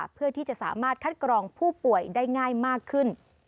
เพื่อที่จะสามารถคัดกรองผู้ป่วยได้ง่ายมากขึ้น